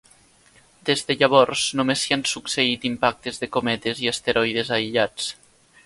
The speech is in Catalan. Des de llavors només s'hi han succeït impactes de cometes i asteroides aïllats.